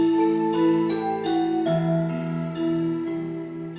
kebol lah tuh anak